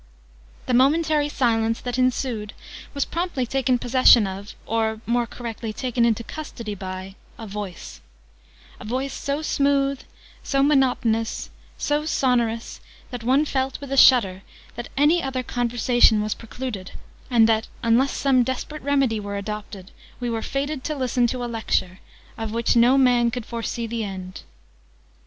The momentary silence, that ensued, was promptly taken possession of or, more correctly, taken into custody by a Voice; a voice so smooth, so monotonous, so sonorous, that one felt, with a shudder, that any other conversation was precluded, and that, unless some desperate remedy were adopted, we were fated to listen to a Lecture, of which no man could foresee the end!